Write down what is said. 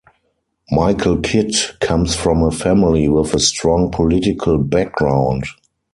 Michael Kitt comes from a family with a strong political background.